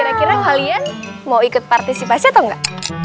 akhirnya kalian mau ikut partisipasinya atau nggak